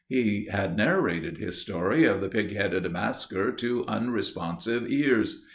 He had narrated his story of the pig headed masquer to unresponsive ears.